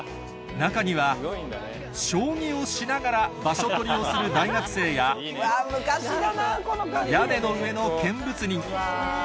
中には将棋をしながら場所取りをする大学生や屋根の上の見物人